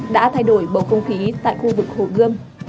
đã thay đổi bầu không khí tại khu vực hồ gươm